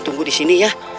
tunggu di sini ya